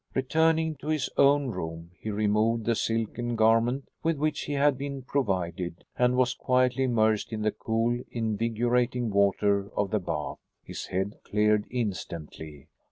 Returning to his own room, he removed the silken garment with which he had been provided and was quietly immersed in the cool, invigorating water of the bath. His head cleared instantly.